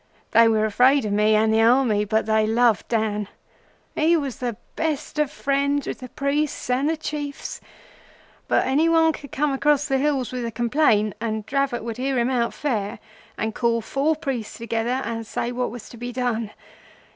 They were afraid of me and the Army, but they loved Dan. He was the best of friends with the priests and the Chiefs; but any one could come across the hills with a complaint and Dravot would hear him out fair, and call four priests together and say what was to be done.